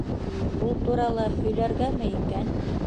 Ул турала һөйләргәме икән?